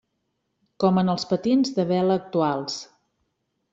Com en els patins de vela actuals.